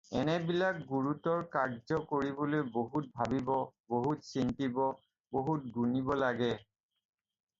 এনেবিলাক গুৰুতৰ কাৰ্য্য কৰিবলৈ বহুত ভাবিব, বহুত চিন্তিব, বহুত গুণিব লাগে।